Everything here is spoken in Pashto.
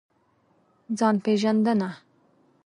ځان پېژندنه.